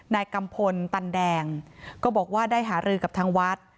กัมพลตันแดงก็บอกว่าได้หารือกับทางวัด